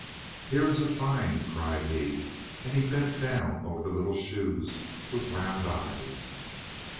"Here is a find!" cried he, and he bent down over the little shoes with round eyes.